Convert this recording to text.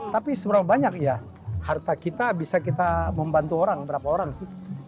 tapi seberapa banyak ya harta kita bisa kita membantu orang berapa orang sih